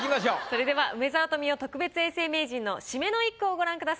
それでは梅沢富美男特別永世名人の締めの一句をご覧ください。